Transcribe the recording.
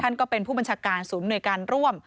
ก็เป็นผู้บัญชาการศูนย์หน่วยการร่วม